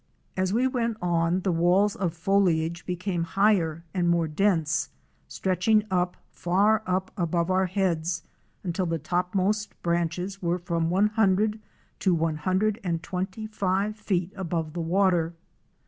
As we went on, the walls of foliage became higher and more dense, stretching up, far up above our heads, until the topmost branches were from one hundred to one hundred and twenty five feet above the water.